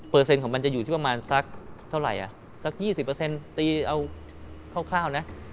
เปอร์เซ็นต์ของมันจะอยู่ที่ประมาณสักเท่าไหร่อ่ะสัก๒๐เปอร์เซ็นต์ตีเอาคร่าวนะ